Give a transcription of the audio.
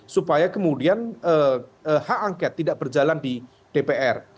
supaya kemudian hak angket tidak berjalan di dpr